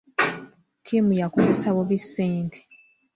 Ttiimu yakozesa bubi ssente.